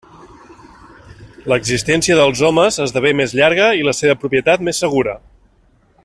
L'existència dels homes esdevé més llarga i la seva propietat més segura.